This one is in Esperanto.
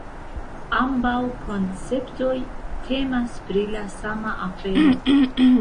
Ambaŭ konceptoj temas pri la sama afero.